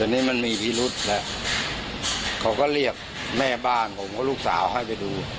อันนี้มันมีพิรุษแล้วเขาก็เรียกแม่บ้านผมก็ลูกสาวให้ไปดู